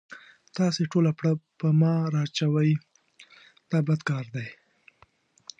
تاسې ټوله پړه په ما را اچوئ دا بد کار دی.